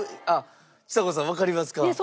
あっちさ子さんわかりますか？